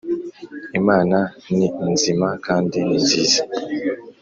imana ni nzima kandi ni nziza